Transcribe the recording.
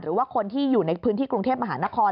หรือว่าคนที่อยู่ในพื้นที่กรุงเทพมหานคร